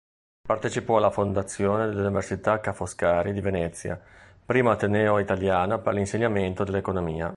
Partecipò alla fondazione dell'Università Ca' Foscari di Venezia, primo ateneo italiano per l'insegnamento dell'economia.